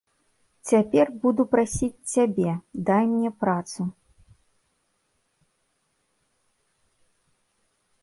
Цяпер буду прасіць цябе, дай мне працу.